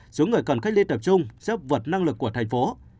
cho người cần cách ly tập trung giúp vượt năng lực của thành phố